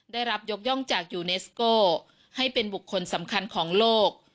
ได้รับยกย่องจากยูเนสโก้ให้เป็นบุคคลสำคัญของโลก